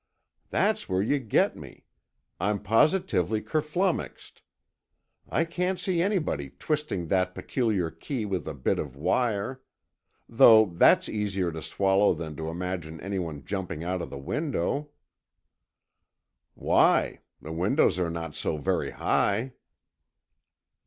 "That's where you get me. I'm positively kerflummixed. I can't see anybody twisting that peculiar key with a bit of wire. Though that's easier to swallow than to imagine any one jumping out of the window." "Why? The windows are not so very high."